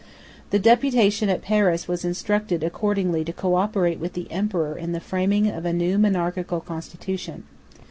The deputation at Paris was instructed accordingly to co operate with the emperor in the framing of a new monarchical constitution.